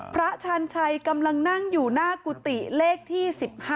พระชาญชัยกำลังนั่งอยู่หน้ากุฏิเลขที่๑๕